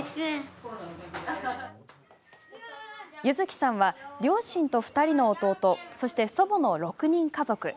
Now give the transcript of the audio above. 柚希さんは両親と２人の弟そして祖母の６人家族。